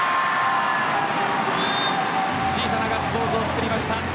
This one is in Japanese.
小さなガッツポーズを作りました。